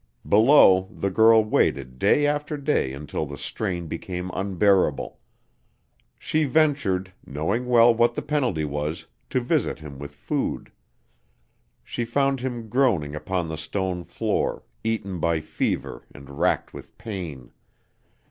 Below, the girl waited day after day until the strain became unbearable. She ventured, knowing well what the penalty was, to visit him with food. She found him groaning upon the stone floor, eaten by fever and racked with pain.